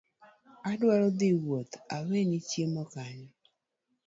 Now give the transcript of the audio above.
Adwa dhii wuoth aweni chiemo kanyo